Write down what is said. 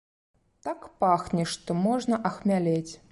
Так пахне, што можна ахмялець.